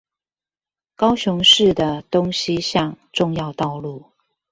高雄市的東西向重要道路